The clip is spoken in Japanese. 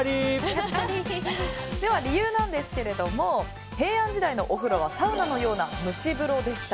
では理由なんですが平安時代のお風呂はサウナのような蒸し風呂でした。